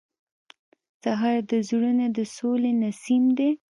سهار د زړونو د سولې نسیم دی.